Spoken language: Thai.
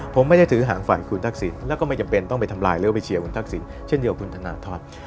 ผมไม่ได้ถือหางฝ่ายคุณทักษิณแล้วก็ไม่จำเป็นต้องไปทำลายหรือว่าไปเชียร์คุณทักษิณเช่นเดียวคุณธนทร